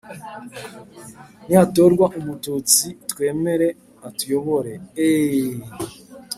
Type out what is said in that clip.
nihatorwa umututsi twemere atuyobore. eeee!